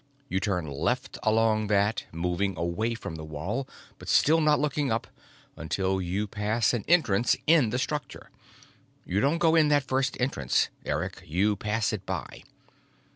You turn left along that, moving away from the wall, but still not looking up, until you pass an entrance in the structure. You don't go in that first entrance, Eric; you pass it by.